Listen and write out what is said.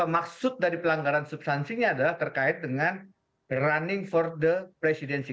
maksud dari pelanggaran substansinya adalah terkait dengan running for the presidenty